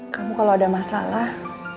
kamu kalau ada masalah